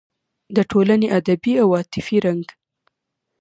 د ټولنې ادبي او عاطفي رنګ